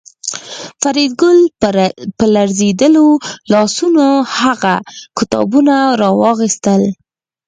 فریدګل په لړزېدلو لاسونو هغه کتابونه راواخیستل